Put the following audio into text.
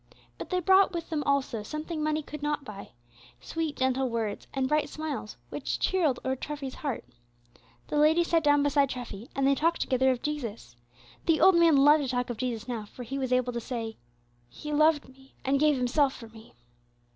But they brought with them also what money cannot buy, sweet, gentle words, and bright smiles, which cheered old Treffy's heart. The lady sat down beside Treffy, and they talked together of Jesus. The old man loved to talk of Jesus now, for he was able to say, "He loved me, and gave Himself for me."